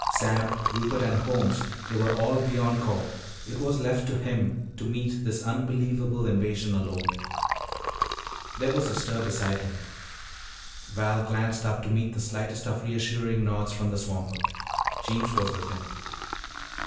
Sam, Rupert, Holmes they were all beyond call. It was left to him to meet this unbelievable invasion alone. There was a stir beside him. Val glanced up to meet the slightest of reassuring nods from the swamper. Jeems was with him.